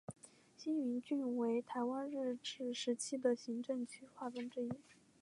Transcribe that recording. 新营郡为台湾日治时期的行政区划之一。